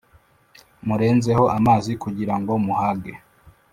Murenzeho amazi kugirango muhage